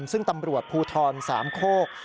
ซึ่งตำรวจภูทร๓โค้ง